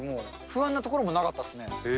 不安なところもなかったですね。